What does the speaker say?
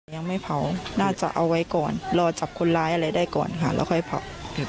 ยังไม่เผาน่าจะเอาไว้ก่อนรอจับคนร้ายอะไรได้ก่อนค่ะแล้วค่อยเผา